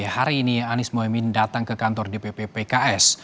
hari ini anies mohaimin datang ke kantor dpp pks